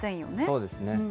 そうですね。